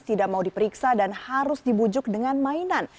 tidak mau diperiksa dan harus dibujuk dengan mainan